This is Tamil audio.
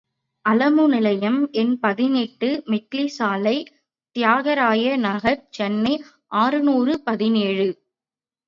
அலமு நிலையம் எண் பதினெட்டு , மேட்லி சாலை, தியாகராய நகர், சென்னை அறுநூறு பதினேழு .